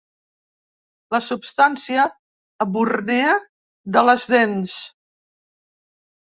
La substància ebúrnia de les dents.